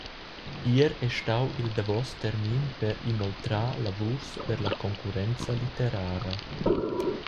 Ier ei stau il davos termin per inoltrar lavurs per la concurrenza litterara.